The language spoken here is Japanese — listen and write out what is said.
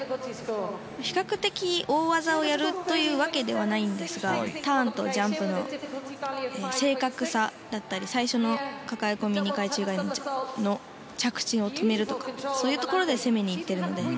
比較的、大技をやるというわけではないんですがターンとジャンプの正確さだったり最初のかかえ込み２回宙返りの着地を止めるとかそういうところで攻めに行っているので。